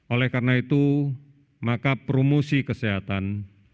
oleh karena itu maka promosi kesehatan